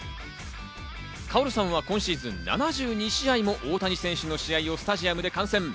カオルさんは今シーズン７２試合も大谷選手の試合をスタジアムで観戦。